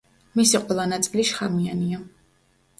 მისი ყველა ნაწილი შხამიანია.